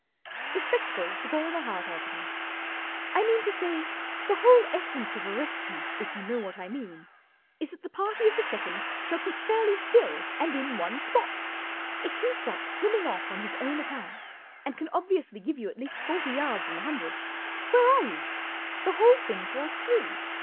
The spectacle took all the heart out of me. 1 mean to say, the whole essence of a res¬ cue, if you know what I mean, is that the party of the second part shall keep fairly still and in one spot r If he starts swimming off on his own account and can obviously give you at least forty yards in the hundred, where are you ? The whole thing falls through.